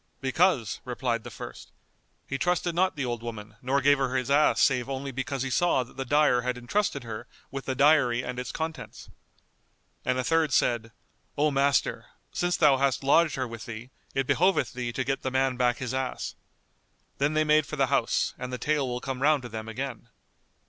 "Because," replied the first, "he trusted not the old Woman nor gave her his ass save only because he saw that the dyer had entrusted her with the dyery and its contents." And a third said, "O master, since thou hast lodged her with thee, it behoveth thee to get the man back his ass." Then they made for the house, and the tale will come round to them again.